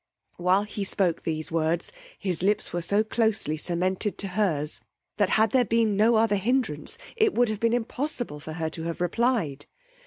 While he spoke these words his lips were so closely cemented to her's, that had there been no other hindrance, it would have been impossible for her to have reply'd.